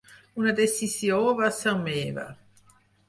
Una decisió va ser meva